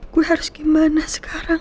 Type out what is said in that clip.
gue harus gimana sekarang